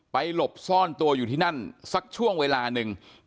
หลบซ่อนตัวอยู่ที่นั่นสักช่วงเวลาหนึ่ง